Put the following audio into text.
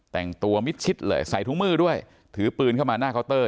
แต่งตัวมิดชิดเลยใส่ถุงมือด้วยถือปืนเข้ามาหน้าเคาน์เตอร์